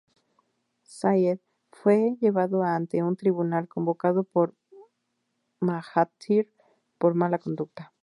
Salleh fue llevado ante un tribunal convocado por Mahathir por mala conducta.